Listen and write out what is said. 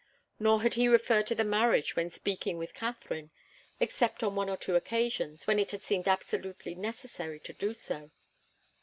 Nor had he referred to the marriage when speaking with Katharine, except on one or two occasions, when it had seemed absolutely necessary to do so.